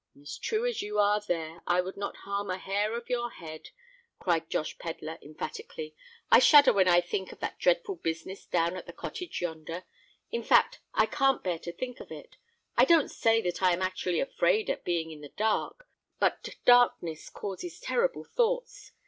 "As true as you are there, I would not harm a hair of your head!" cried Josh Pedler, emphatically. "I shudder when I think of that dreadful business down at the Cottage yonder—in fact, I can't bear to think of it. I don't say that I am actually afraid at being in the dark; but darkness causes terrible thoughts.